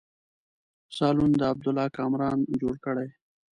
سالون د عبدالله کامران جوړ کړی.